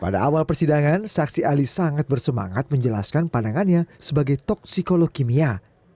pada awal persidangan saksi ahli sangat bersemangat menjelaskan pandangannya sebagai toksikolog kimia